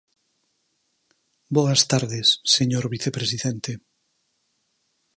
Boas trades, señor vicepresidente.